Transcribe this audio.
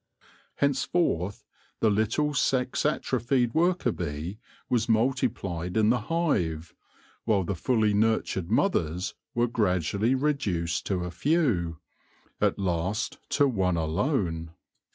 Hence forth the little sex atrophied worker bee was multi plied in the hive, while the fully nurtured mothers were gradually reduced to a few — at last to one alone.